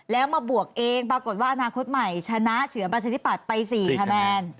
แล้วมาบวกเองปรากฏว่าอนาคตใหม่ชนะเฉือนประชาธิปัตย์ไป๔คะแนน